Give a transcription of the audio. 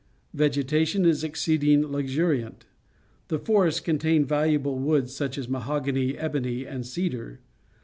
Vegetation is exceedingly luxiniant. The forests contain valuable woods, such as mahogany, ebony, and cedar.